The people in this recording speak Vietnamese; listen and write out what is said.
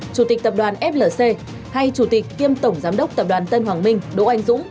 chủ tịch tập đoàn flc hay chủ tịch kiêm tổng giám đốc tập đoàn tân hoàng minh đỗ anh dũng